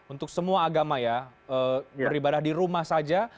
untuk semua agama ya beribadah di rumah saja